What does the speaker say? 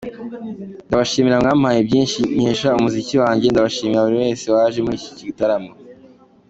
Ati “Ndabashimira, mwampaye byinshi nkesha umuziki wanjye, ndashimira buri wese waje muri iki gitaramo’.